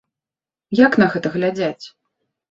Як на гэта глядзяць?